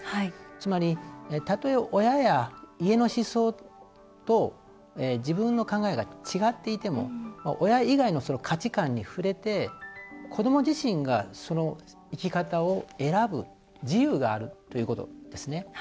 つまり、たとえ親や家の思想と自分の考えが違っていても親以外の価値観に触れて子ども自身が、その生き方を選ぶ自由があるということですね。